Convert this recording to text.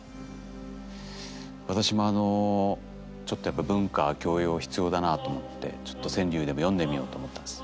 私もあのちょっとやっぱ文化教養必要だなと思ってちょっと川柳でも詠んでみようと思ったんです。